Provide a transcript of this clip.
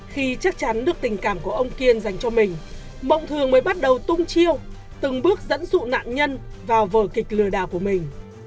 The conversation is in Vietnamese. khi chắc chắn được tình cảm của ông kiên dành cho mình mộng thường mới bắt đầu tung chiêu từng bước dẫn dụ nạn nhân vào vở kịch lừa đảo của mình